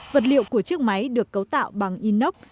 vật liệu của chiếc máy được cấu tạo bằng inox